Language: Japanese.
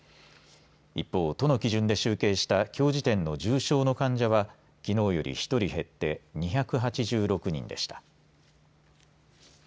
一方、都の基準で集計したきょう時点の重症の患者はきのうより１人減って２８６人でした。